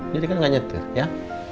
jadi kan gak nyetir ya